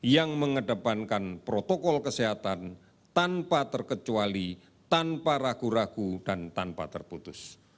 yang mengedepankan protokol kesehatan tanpa terkecuali tanpa ragu ragu dan tanpa terputus